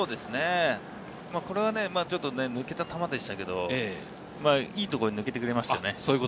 これは抜けた球でしたけれど、いいところに抜けてくれましたよね。